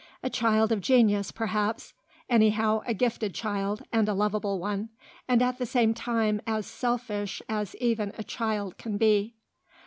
A child of genius, perhaps; anyhow a gifted child, and a lovable one, and at the same time as selfish as even a child can be.